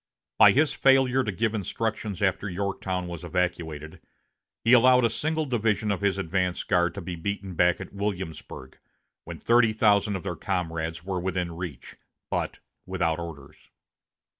By his failure to give instructions after Yorktown was evacuated, he allowed a single division of his advance guard to be beaten back at Williamsburg, when thirty thousand of their comrades were within reach, but without orders.